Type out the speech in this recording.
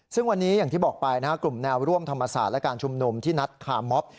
ซึ่งวันนี้อย่างที่บอกไปนะครับกลุ่มแนวร่วมธรรมศาสตร์และการชุมนุมที่นัดคาร์มอบ